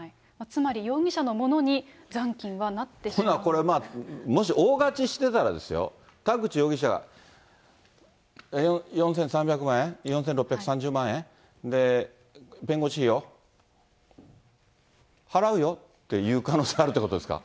つまり、容疑者のものに、そんならこれは、もし大勝ちしてたらですよ、田口容疑者、４３００万円、４６３０万円、で、弁護士費用、払うよっていう可能性あるってことですか。